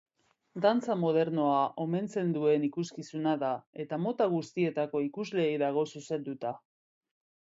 Dantza modernoa omentzen duen ikuskizuna da, eta mota guztietako ikusleei dago zuzenduta.